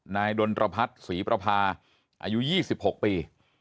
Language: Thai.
ดนตรพัฒน์ศรีประพาอายุ๒๖ปี